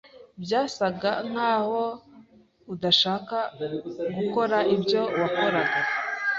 Byasaga nkaho udashaka gukora ibyo wakoraga.